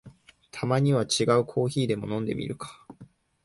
たまには違うコーヒーでも飲んでみるか